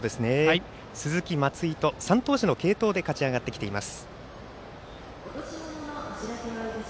鈴木、松井と３投手の継投で勝ち上がってきています。